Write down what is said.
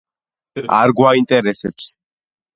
მე ვარ მარიამი და მიყვარს ნაყინი